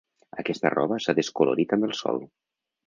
Aquesta roba s'ha descolorit amb el sol.